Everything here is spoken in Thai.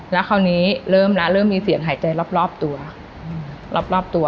แล้วคราวนี้เริ่มแล้วเริ่มมีเสียงหายใจรอบตัวรอบตัว